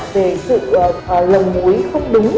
về sự lồng mũi không đúng